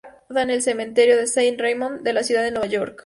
Fue enterrada en el Cementerio Saint Raymond de la ciudad de Nueva York.